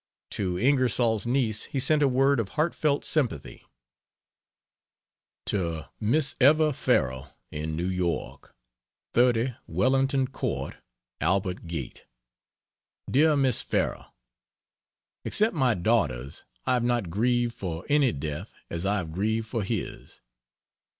To Ingersoll's niece he sent a word of heartfelt sympathy. To Miss Eva Farrell, in New York: 30 WELLINGTON COURT, ALBERT GATE. DEAR MISS FARRELL, Except my daughter's, I have not grieved for any death as I have grieved for his.